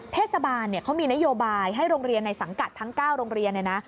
เทศบาลเขามีนโยบายให้โรงเรียนในสังกัดทั้ง๙โรงเรียนเนี่ยนะ